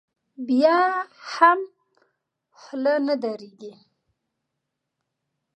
بیا هم خوله نه درېږي.